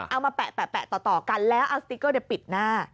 มาแปะต่อกันแล้วเอาสติ๊กเกอร์ปิดหน้า